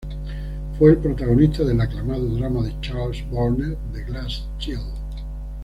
Fue el protagonista del aclamado drama de Charles Burnett, "The Glass Shield".